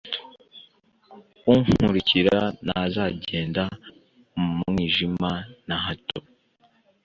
unkurikira ntazagenda mu mwijima na hato,